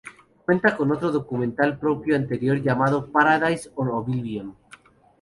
Cuentan con otro documental propio anterior llamado "Paradise or Oblivion".